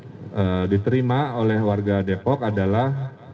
maka mungkin ini berita yang akan diterima oleh warga depok adalah